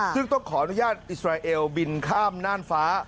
ซึ่งต้องขออนุญาตอิสราเอลบินข้ามน่านฟ้า